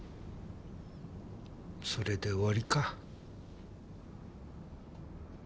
それで終わりか？